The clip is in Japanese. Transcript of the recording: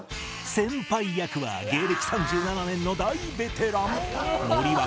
先輩役は芸歴３７年の大ベテラン森脇健児さん